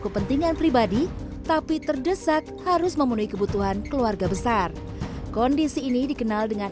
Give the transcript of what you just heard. kepentingan pribadi tapi terdesak harus memenuhi kebutuhan keluarga besar kondisi ini dikenal dengan